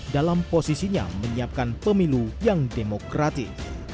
dalam posisinya menyiapkan pemilu yang demokratik